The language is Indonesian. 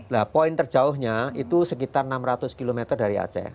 nah poin terjauhnya itu sekitar enam ratus km dari aceh